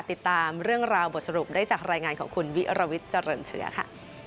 ติดตามเรื่องราวบทสรุปได้จากรายงานของคุณวิรวิทย์เจริญเชื้อค่ะ